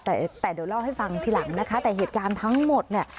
แต่แต่เดี๋ยวเล่าให้ฟังทีหลังนะคะแต่เหตุการณ์ทั้งหมดเนี่ย